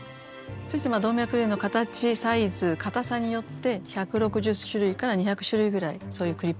そして動脈瘤の形サイズかたさによって１６０種類から２００種類ぐらいそういうクリップが用意されています。